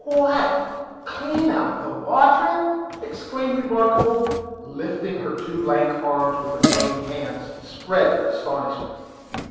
"What! clean out of the water?" exclaimed Remarkable, lifting her two lank arms, with their bony hands spread in astonishment.